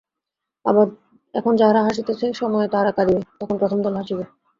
আবার এখন যাহারা হাসিতেছে, সময়ে তাহারা কাঁদিবে, তখন প্রথম দল হাসিবে।